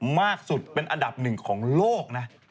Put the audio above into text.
มากสุดเป็นอันดับหนึ่งของโลกนะ